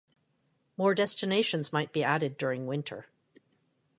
More destinations might be added during winter.